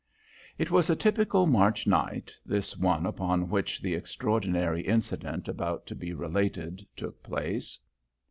It was a typical March night, this one upon which the extraordinary incident about to be related took place.